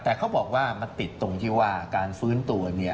แต่เขาบอกว่ามันติดตรงที่ว่าการฟื้นตัวเนี่ย